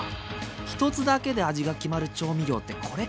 １つだけで味が決まる調味料ってこれか！